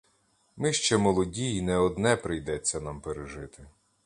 Ми ще молоді й не одне прийдеться нам пережити.